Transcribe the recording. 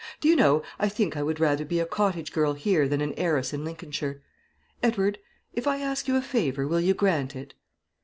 Do you know, I think I would rather be a cottage girl here than an heiress in Lincolnshire. Edward, if I ask you a favour, will you grant it?"